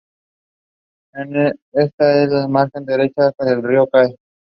Está en la margen derecha del río Cea.